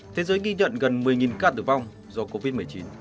thế giới ghi nhận gần một mươi ca tử vong do covid một mươi chín